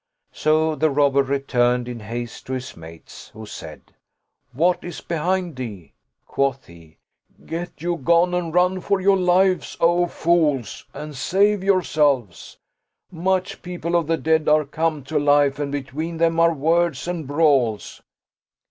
So the robber re turned in haste to his mates, who said, " What is behind thee? " Quoth he, " Get you gone and run for your lives, O fools, and save yourselves : much people of the dead are come to life and between them are words and brawls."